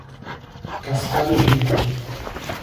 Cascalho Rico